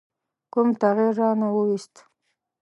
کوم تغییر رانه ووست.